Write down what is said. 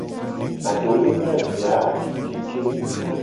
Adole na vi a abitike.